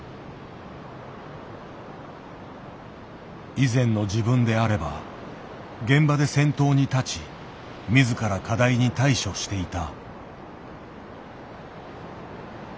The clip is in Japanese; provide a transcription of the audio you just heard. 以前の自分であれば現場で先頭に立ち自ら課題に対処していた。